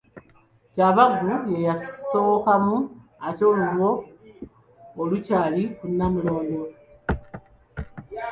Kyabaggu ye yasowokamu ate olulyo olukyali ku Nnamulondo.